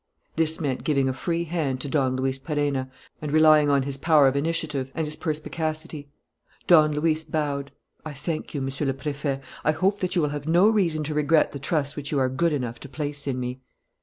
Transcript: This meant giving a free hand to Don Luis Perenna and relying on his power of initiative and his perspicacity. Don Luis bowed: "I thank you, Monsieur le Préfet. I hope that you will have no reason to regret the trust which you are good enough to place in me."